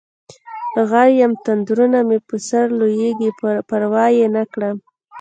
غر یم تندرونه مې په سرلویږي پروا یې نکړم